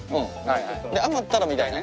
で余ったらみたいな。